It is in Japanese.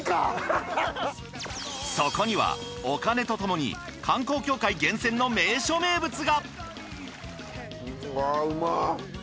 そこにはお金とともに観光協会厳選の名所名物が。